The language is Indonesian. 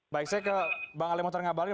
baik saya ke bang alematar ngabalin